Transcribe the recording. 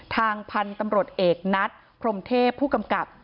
ทางพันธุ์ตำรวจเอกนัดพรมเทพผู้กำกับ